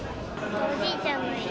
おじいちゃんの家。